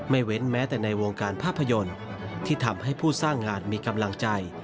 เว้นแม้แต่ในวงการภาพยนตร์ที่ทำให้ผู้สร้างงานมีกำลังใจ